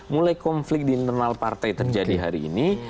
mulai konflik di internal partai terjadi hari ini